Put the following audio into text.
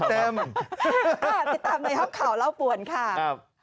ติดตามในห้องข่าวเล่าป่วนค่ะ